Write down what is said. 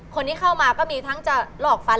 คนที่เข้ามาก็มีทั้งจะ